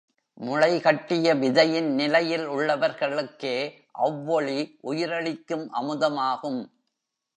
முளைகட்டிய விதையின் நிலையில் உள்ளவர்களுக்கே அவ்வொளி உயிரளிக்கும் அமுதமாகும்.